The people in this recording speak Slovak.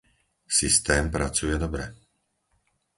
Systém pracuje dobre.